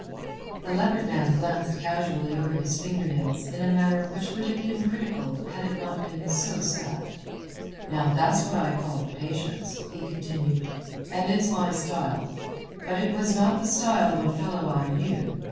The Leopard Man glanced casually over his finger nails in a manner which would have been critical had it not been so sad. "Now, that's what I call patience," he continued, "and it's my style. But it was not the style of a fellow I knew.